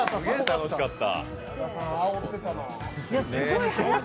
楽しかった。